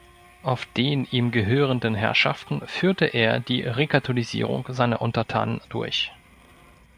Auf den ihm gehörenden Herrschaften führte er die Rekatholisierung seiner Untertanen durch.